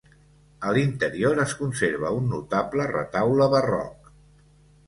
A l'interior es conserva un notable retaule barroc.